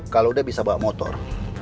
kalau udah bisa bawa motor